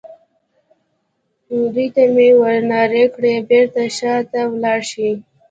دوی ته مې ور نارې کړې: بېرته شا ته ولاړ شئ.